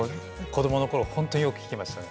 子どものころ、本当によく聴きましたね。